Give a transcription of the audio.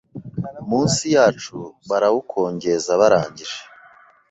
munsi yacu barawukongeza barangije